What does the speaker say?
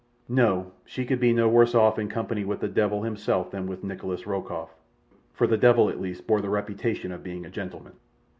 No, she could be no worse off in company with the devil himself than with Nikolas Rokoff, for the devil at least bore the reputation of being a gentleman.